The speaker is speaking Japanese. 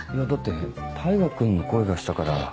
だって大牙君の声がしたから。